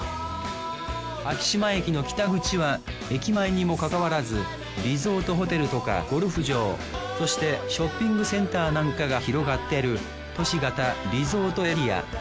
昭島駅の北口は駅前にもかかわらずリゾートホテルとかゴルフ場そしてショッピングセンターなんかが広がってる都市型リゾートエリア。